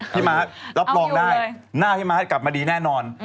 ม้ารับรองได้หน้าพี่ม้ากลับมาดีแน่นอน